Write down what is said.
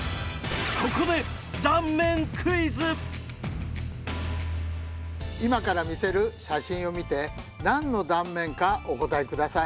ここで今から見せる写真を見て何の断面かお答え下さい。